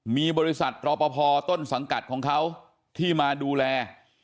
มีบริษัทรอปภต้นสังกัดของเขาที่มาดูแล